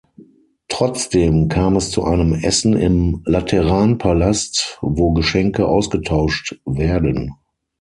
Trotzdem kam es zu einem Essen im Lateranpalast, wo Geschenke ausgetauscht werden.